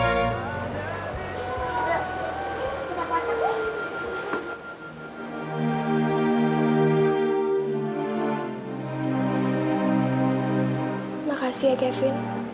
terima kasih kevin